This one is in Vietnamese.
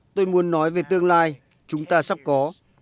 tôi muốn nói về tương lai chúng ta sắp có